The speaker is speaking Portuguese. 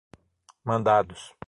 mandados